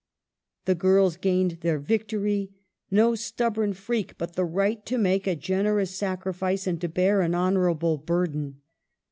The girls gained their victory — no stubborn freak, but the right to make a generous sacrifice, and to bear an honorable burden.